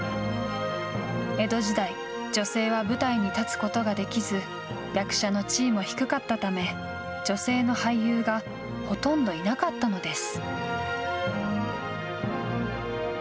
江戸時代、女性は舞台に立つことができず役者の地位も低かったため女性の俳優がほとんどいなかったのです。